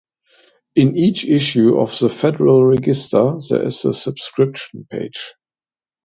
In each issue of the "Federal Register", there is a subscription page.